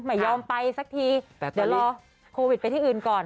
ไม่ยอมไปสักทีเดี๋ยวรอโควิดไปที่อื่นก่อน